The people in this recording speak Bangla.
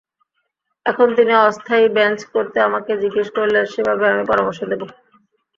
এখন তিনি অস্থায়ী বেঞ্চ করতে আমাকে জিজ্ঞেস করলে সেভাবে আমি পরামর্শ দেব।